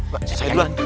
pak saya duluan